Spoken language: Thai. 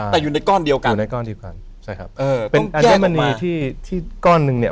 แต่อยู่ในก้อนเดียวกันใช่ครับเป็นอัญมณีที่ก้อนหนึ่งเนี่ย